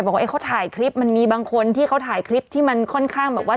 บอกว่าเขาถ่ายคลิปมันมีบางคนที่เขาถ่ายคลิปที่มันค่อนข้างแบบว่า